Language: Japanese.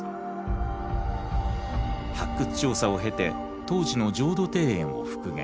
発掘調査を経て当時の浄土庭園を復元。